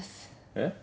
えっ？